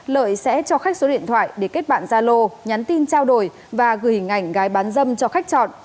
lợi sẽ cho khách số điện thoại để kết bạn gia lô nhắn tin trao đổi và gửi hình ảnh gái bán dâm cho khách chọn